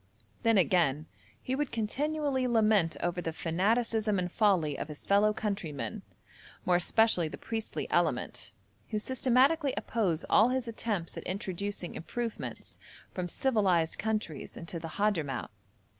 Then again, he would continually lament over the fanaticism and folly of his fellow countrymen, more especially the priestly element, who systematically oppose all his attempts at introducing improvements from civilised countries into the Hadhramout.